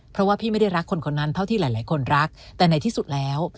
เพราะว่าพี่ไม่ได้รักคนคนนั้นเท่าที่หลายคนรักแต่ในที่สุดแล้ว